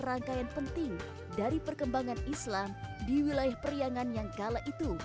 rangkaian penting dari perkembangan islam di wilayah periangan yang kala itu